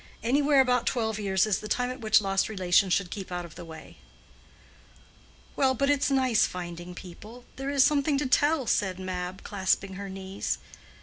"Anywhere about twelve years is the time at which lost relations should keep out of the way." "Well, but it's nice finding people—there is something to tell," said Mab, clasping her knees.